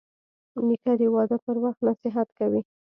نیکه د واده پر وخت نصیحت کوي.